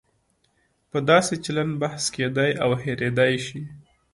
په داسې چلن بحث کېدای او هېریدای شي.